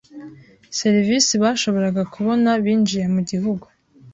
serivisi bashoboraga kubona binjiye mu Gihugu.